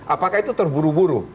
apakah itu terburu buru